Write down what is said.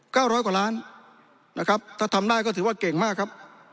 ร้อยกว่าล้านนะครับถ้าทำได้ก็ถือว่าเก่งมากครับ